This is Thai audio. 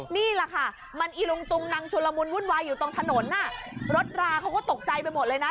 นี่แหละค่ะมันอีลุงตุงนังชุลมุนวุ่นวายอยู่ตรงถนนรถราเขาก็ตกใจไปหมดเลยนะ